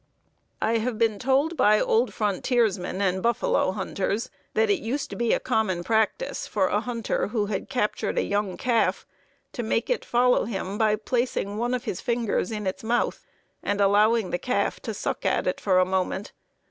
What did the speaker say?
I have been told by old frontiersmen and buffalo hunters that it used to be a common practice for a hunter who had captured a young calf to make it follow him by placing one of his fingers in its mouth, and allowing the calf to suck at it for a moment.